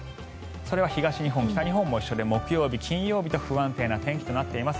それは東日本、北日本も一緒で木曜日、金曜日と不安定な天気となっています。